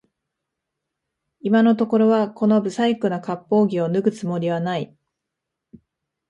今のところはこの不細工な割烹着を脱ぐつもりはない